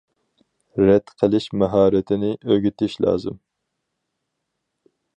رەت قىلىش ماھارىتىنى ئۆگىتىش لازىم.